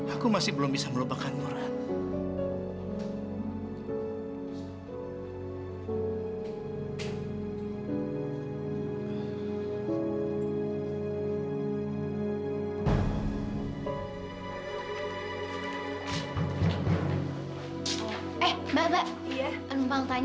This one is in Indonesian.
aku masih belum bisa melupakanku ran